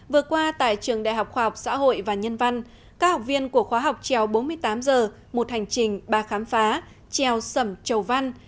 vừa qua tại trường đại học khoa học xã hội và nhân văn các học viên của khóa học trèo bốn mươi tám h một hành trình ba khám phá treo sẩm trầu văn